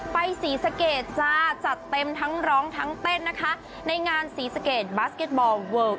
ไปสีสเกจจะจัดเต็มทั้งร้องทั้งเต้นนะคะในงานสีสเกจบาสเก็ตบอลเวิลล์